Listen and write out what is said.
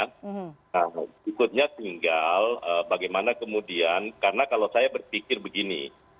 nah berikutnya tinggal bagaimana kemudian karena kalau saya berpikir begini